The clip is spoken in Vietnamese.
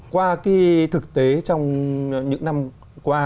qua cái thực tế trong những năm qua